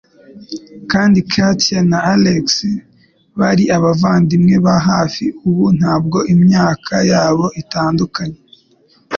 Kandi, Katie na Alex bari abavandimwe ba hafi ubu nubwo imyaka yabo itandukanye.